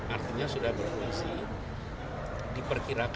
artinya sudah berkulisi